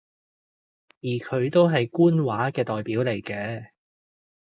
而佢都係官話嘅代表嚟嘅